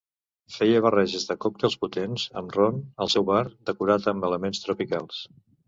Feia barreges de còctels potents amb rom al seu bar decorat amb elements tropicals.